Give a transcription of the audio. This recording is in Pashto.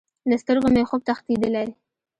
له سترګو مې خوب تښتیدلی